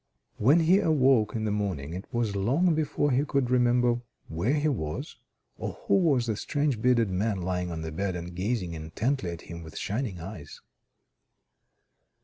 When he awoke in the morning, it was long before he could remember where he was, or who was the strange bearded man lying on the bed and gazing intently at him with shining eyes.